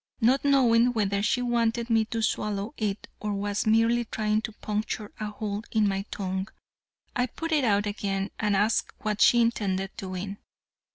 Not knowing whether she wanted me to swallow it or was merely trying to puncture a hole in my tongue, I put it out again and asked what she intended doing.